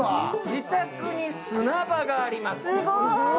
自宅に砂場があります。